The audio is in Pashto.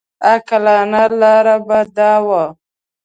عاقلانه لاره به دا وه.